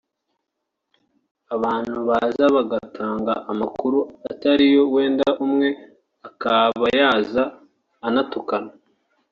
abantu baza bagatanga amakuru atariyo wenda umwe akaba yaza anatukana